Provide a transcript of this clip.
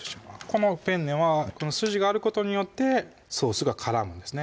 このペンネは筋があることによってソースが絡むんですね